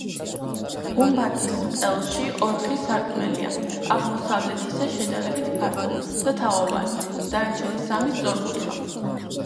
გუმბათის ყელში ოთხი სარკმელია: აღმოსავლეთისა შედარებით ფართო და თაღოვანია, დანარჩენი სამი სწორკუთხა.